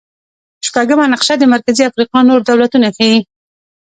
شپږمه نقشه د مرکزي افریقا نور دولتونه ښيي.